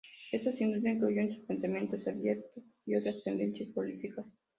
Esto sin duda influyó en su pensamiento abierto a otras tendencias políticas.